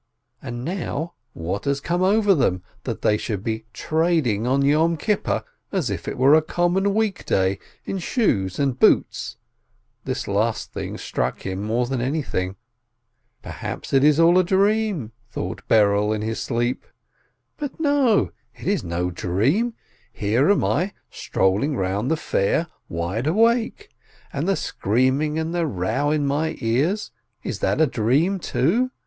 And now what has come over them, that they should be trading on Yom Kippur, as if it were a common week day, in shoes and boots (this last struck him more than anything) ? Perhaps it is all a dream? thought Berel in his sleep. But no, it is no dream ! "Here I am strolling round the fair, wide awake. And the screaming and the row in my ears, is that a dream, too?